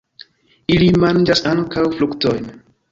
Ili manĝas ankaŭ fruktojn.